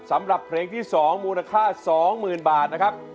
สำหรับเพลงที่๒มูลค่า๒๐๐๐บาทนะครับ